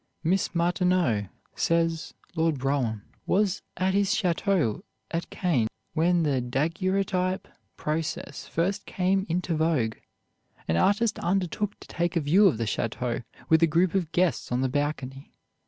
Miss Martineau says, "Lord Brougham was at his chateau at Cannes when the daguerreotype process first came into vogue. An artist undertook to take a view of the chateau with a group of guests on the balcony.